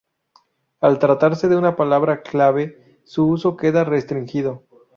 Al tratarse de una palabra clave su uso queda restringido.